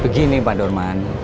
begini pak dorman